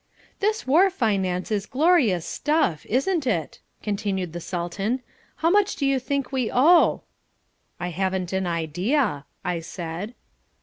"This war finance is glorious stuff, isn't it?" continued the Sultan. "How much do you think we owe?" "I haven't an idea," I said.